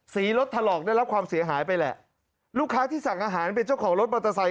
รถถลอกได้รับความเสียหายไปแหละลูกค้าที่สั่งอาหารเป็นเจ้าของรถมอเตอร์ไซค